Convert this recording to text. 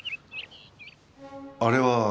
あれは？